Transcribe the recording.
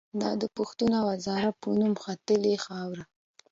دا د پښتون او هزاره په نوم ختلې خاوره